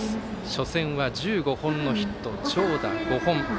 初戦は１５本のヒット、長打５本。